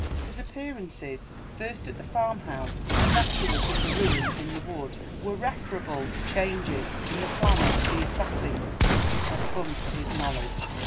His appearances, first at the farmhouse and afterwards at the ruin in the wood were referable to changes in the plans of the assassins which had come to his knowledge.